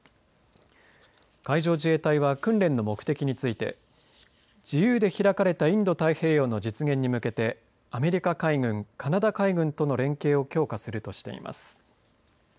海上自衛隊は訓練の目的について自由で開かれたインド太平洋の実現に向けてアメリカ海軍、カナダ海軍との連携を強化するとしています。